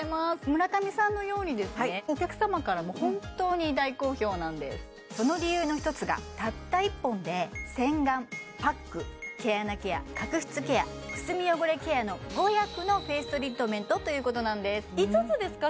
村上さんのようにですねお客様からも本当に大好評なんですその理由の１つがたった１本で洗顔パック毛穴ケア角質ケアくすみ汚れケアの５役のフェイストリートメントということなんです５つですか？